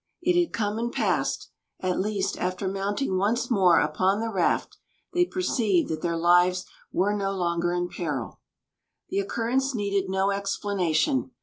It had come and passed, at least, after mounting once more upon the raft, they perceived that their lives were no longer in peril. The occurrence needed no explanation.